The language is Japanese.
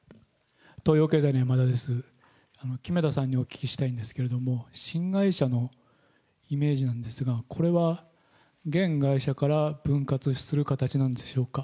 木目田さんにお聞きしたいんですけれども、新会社のイメージなんですが、これは、現会社から分割する形なんでしょうか。